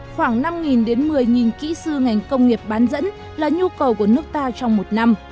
khoảng năm đến một mươi kỹ sư ngành công nghiệp bán dẫn là nhu cầu của nước ta trong một năm